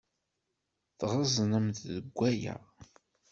Tɣeẓnemt deg waya.